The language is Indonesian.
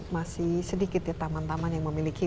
masih sedikit ya taman taman yang memiliki